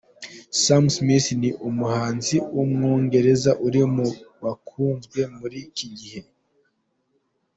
Sam Smith ni umuhanzi w’umwongereza uri mu bakunzwe muri iki gihe.